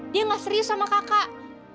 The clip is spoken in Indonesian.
dia gak serius sama kakak